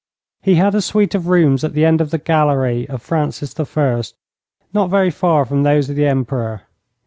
He had a suite of rooms at the end of the gallery of Francis the First, not very far from those of the Emperor.